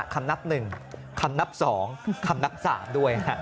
คำนับหนึ่งคำนับสองคำนับสามด้วย